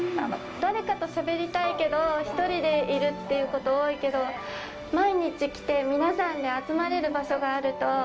誰かとしゃべりたいけど１人でいるっていうこと多いけど毎日来て、皆さんで集まれる場所があると。